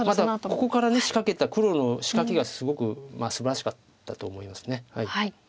またここから仕掛けた黒の仕掛けがすごくすばらしかったと思います。